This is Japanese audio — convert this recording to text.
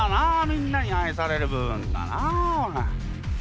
みんなに愛される部分だなこれ。